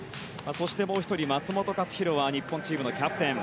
そして、もう１人、松元克央は日本チームのキャプテン。